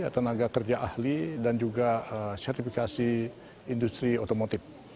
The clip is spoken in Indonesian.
tenaga kerja ahli dan juga sertifikasi industri otomotif